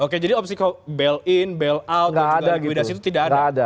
oke jadi opsi bail in bail out dan juga leguidas itu tidak ada